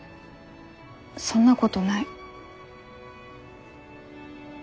そんなことない。